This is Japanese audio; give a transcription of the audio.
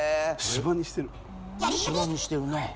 芝にしてるなぁ。